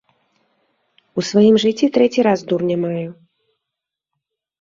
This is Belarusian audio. У сваім жыцці трэці раз дурня маю.